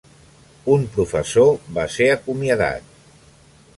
Un professor va ser acomiadat.